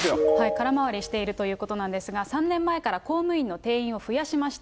空回りしているということなんですが、３年前から公務員の定員を増やしました。